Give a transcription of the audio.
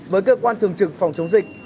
với cơ quan thường trực phòng chống dịch